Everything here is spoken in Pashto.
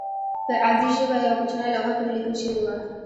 په عبري ژبه یوه کوچنۍ لوحه پرې لیکل شوې وه.